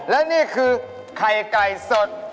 และนี่คือไข่ไก่สด